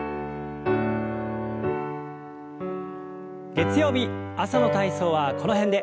月曜日朝の体操はこの辺で。